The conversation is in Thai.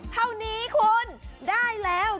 เท่านี้คุณได้แล้ว